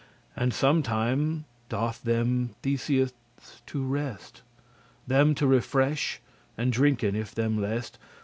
And sometime doth* them Theseus to rest, *caused Them to refresh, and drinken if them lest*.